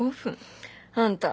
あんた